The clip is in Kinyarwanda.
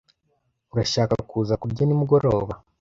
Urashaka kuza kurya nimugoroba?